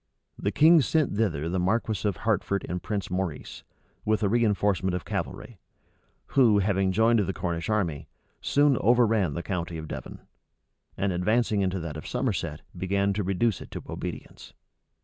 The king sent thither the marquis of Hertford and Prince Maurice, with a reënforcement of cavalry; who, having joined the Cornish army, soon overran the county of Devon; and advancing into that of Somerset, began to reduce it to obedience.